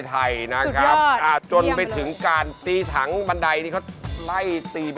ไม่แซวกูโทษทีโทษทีแซว